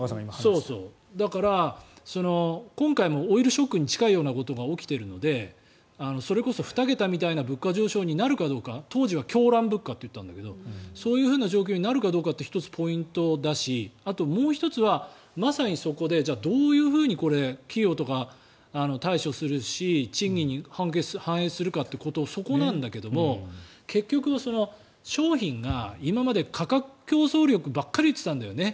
だから、今回もオイルショックに近いようなことが起きているのでそれこそ２桁みたいな物価上昇になるかどうか当時は狂乱物価と言ったんだけどそういうふうな状況になるかどうかが１つポイントだしあともう１つは、まさにそこでじゃあどういうふうにこれ、企業とか対処するし賃金に反映するかというところそこなんだけど結局、商品が今まで価格競争力ばっかり言ってたんだよね。